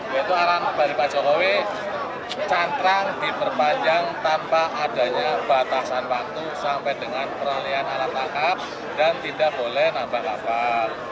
yaitu arahan dari pak jokowi cantrang diperpanjang tanpa adanya batasan waktu sampai dengan peralihan alat tangkap dan tidak boleh nambah kapal